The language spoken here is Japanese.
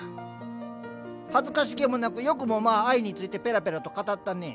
恥ずかしげもなくよくもまあ愛についてペラペラと語ったね。